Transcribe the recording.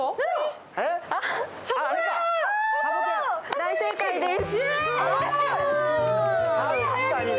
大正解です。